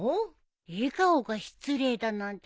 笑顔が失礼だなんて